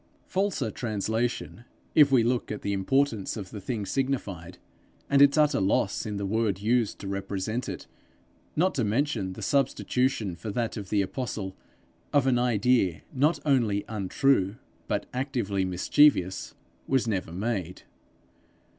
Falser translation, if we look at the importance of the thing signified, and its utter loss in the word used to represent it, not to mention the substitution for that of the apostle, of an idea not only untrue but actively mischievous, was never made.